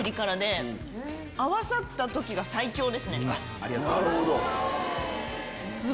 ありがとうございます。